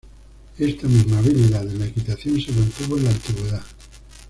Esta misma habilidad en la equitación se mantuvo en la antigüedad.